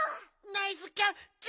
ナイスキャッチ。